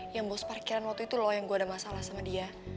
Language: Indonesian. yang bos parkiran waktu itu loh yang gue ada masalah sama dia